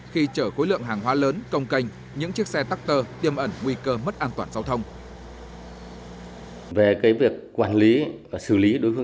khi chở khối lượng hàng hóa lớn công canh những chiếc xe tắc tơ tiêm ẩn nguy cơ mất an toàn giao thông